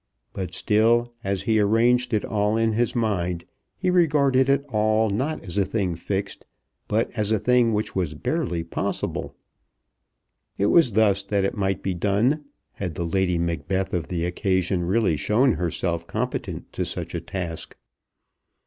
But still as he arranged it all in his mind he regarded it all not as a thing fixed, but as a thing which was barely possible. It was thus that it might be done, had the Lady Macbeth of the occasion really shown herself competent to such a task.